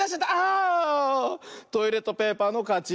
トイレットペーパーのかち。